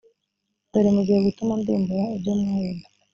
dore mugiye gutuma ndimbura ibyo mwabibye